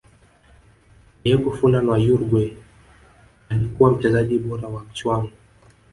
diego forlan wa uruguay alikuwa mchezaji bora wa michuano